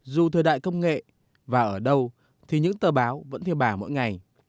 dù thời đại công nghệ và ở đâu thì những tờ báo vẫn theo bà mỗi ngày